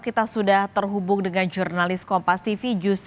kita sudah terhubung dengan jurnalis kompastv